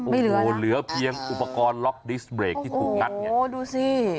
ไม่เหลือนะโอ้โฮเหลือเพียงอุปกรณ์ล็อกดิสเบรคที่ถูกงัดอย่างนี้โอ้โฮดูสิ